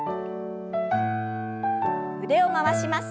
腕を回します。